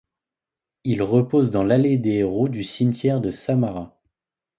Il repose dans l'Allée des Héros du cimetière de Samara.